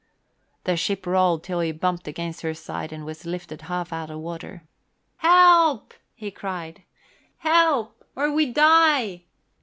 The ship rolled till he bumped against her side and was lifted half out of water. "Help!" he cried. "Help or we die!"